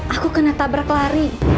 aku kena tabrak lari